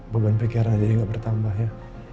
beban pikiran aja gak bertambah ya